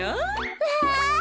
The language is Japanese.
うわ！